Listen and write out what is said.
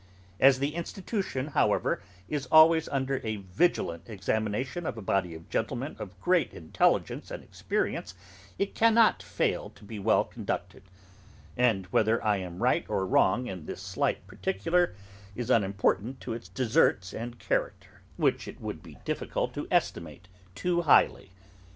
As the Institution, however, is always under a vigilant examination of a body of gentlemen of great intelligence and experience, it cannot fail to be well conducted; and whether I am right or wrong in this slight particular, is unimportant to its deserts and character, which it would be difficult to estimate too highly.